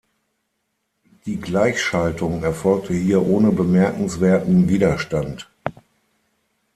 Die Gleichschaltung erfolgte hier ohne bemerkenswerten Widerstand.